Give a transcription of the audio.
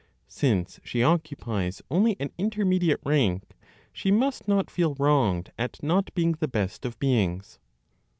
Since she occupies only an intermediate rank, she must not feel wronged at not being the best of beings.